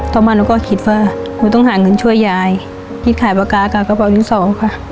ต่อมาหนูก็คิดว่ากูต้องหาเงินช่วยยายคิดขายปากกากับกระเป๋าที่สองค่ะ